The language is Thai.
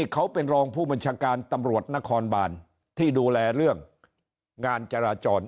เขาเป็นรองผู้บัญชาการตำรวจนครบานที่ดูแลเรื่องงานจราจร